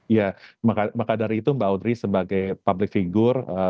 ya maka dari itu mbak audrey sebagai public figure